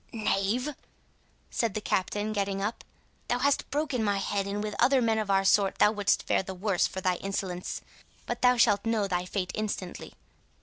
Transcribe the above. "Knave!" said the Captain, getting up, "thou hast broken my head; and with other men of our sort thou wouldst fare the worse for thy insolence. But thou shalt know thy fate instantly.